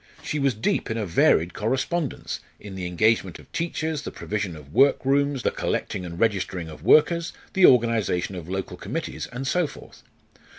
She was deep in a varied correspondence, in the engagement of teachers, the provision of work rooms, the collecting and registering of workers, the organisation of local committees and so forth.